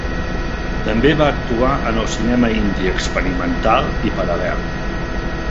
També va actuar en el cinema indi experimental i paral·lel.